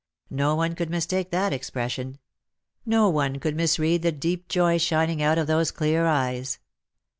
No one could mistake that expression; no one could misread the deep joy shining out of those clear eyes.